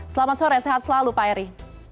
selamat sore sehat selalu pak eri